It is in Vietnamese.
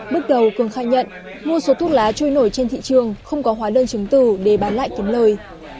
bước đầu cường khai nhận mua số thuốc lá trôi nổi trên thị trường không có hóa đơn chứng tử để bán lại kiếm lời